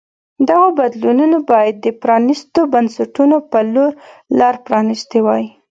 دغو بدلونونو باید د پرانیستو بنسټونو په لور لار پرانیستې وای.